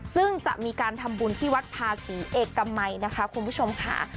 ซึ่งจะมีการทำบุญที่วัดภาษีเอกมัยนะคะคุณผู้ชมค่ะ